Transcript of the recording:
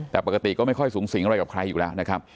แต่ปกติก็ไม่ค่อยสูงสิงอะไรกับใครอยู่แล้วนะครับ